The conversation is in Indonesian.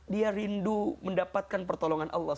dia rindu mendapatkan pertolongan allah